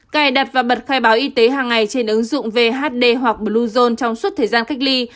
cài đặt và bật khai báo y tế hàng ngày trên ứng dụng vhd hoặc bluezone trong suốt thời gian cách ly